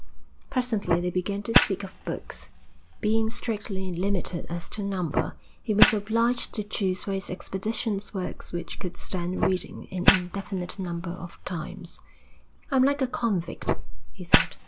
Presently they began to speak of books. Being strictly limited as to number, he was obliged to choose for his expeditions works which could stand reading an indefinite number of times. 'I'm like a convict,' he said.